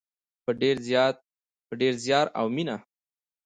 په ډیر زیار او مینه.